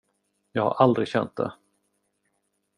Jag har aldrig känt det.